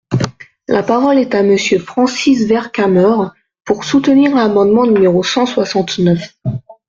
La parole est à Monsieur Francis Vercamer, pour soutenir l’amendement numéro cent soixante-neuf.